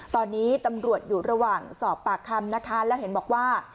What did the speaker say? ตอนนี้ตำรวจอยู่ระหว่างสอบปากคำนะคะแล้วเห็นบอกว่า